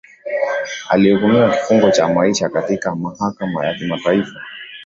alihukumiwa kifungo cha maisha katika mahakama ya kimataifa